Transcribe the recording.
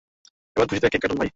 এবার খুশিতে কেক কাটুন, ভাই।